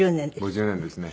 ５０年ですね。